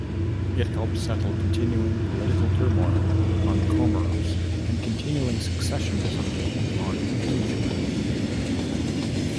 It helped settle continuing political turmoil on Comoros and continuing secessionism on Anjouan.